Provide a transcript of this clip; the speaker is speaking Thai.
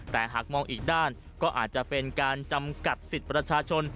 แต่หากมองอีกด้านก็อาจจะเป็นการจำกัดสิทธิ์ประชาชน